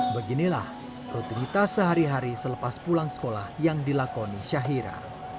beginilah rutinitas sehari hari selepas pulang sekolah yang dilakoni syahira